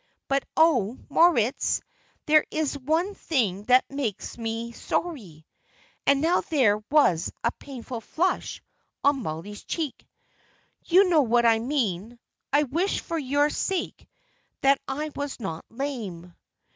But oh, Moritz, there is one thing that makes me sorry." And now there was a painful flush on Mollie's cheek. "You know what I mean. I wish for your sake that I was not lame."